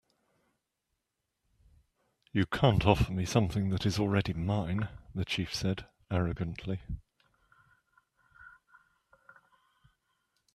"You can't offer me something that is already mine," the chief said, arrogantly.